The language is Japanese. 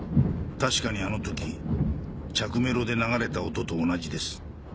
確かにあのとき着メロで流れた音と同じです。